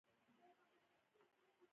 دا توکي د سړک یا اوبو له لارې لیږل کیږي